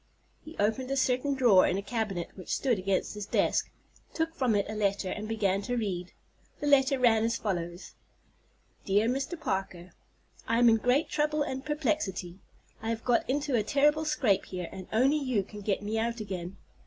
He opened a certain drawer in a cabinet which stood behind his desk, took from it a letter, and began to read. The letter ran as follows: "Dear Mr. Parker: "I am in great trouble and perplexity. I have got into a terrible scrape here, and only you can get me out again.